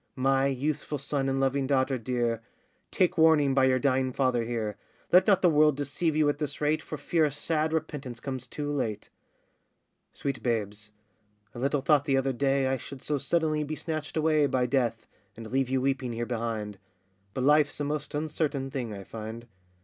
My youthful son and loving daughter dear, Take warning by your dying father here; Let not the world deceive you at this rate, For fear a sad repentance comes too late. Sweet babes, I little thought the other day, I should so suddenly be snatched away By Death, and leave you weeping here behind; But life's a most uncertain thing, I find.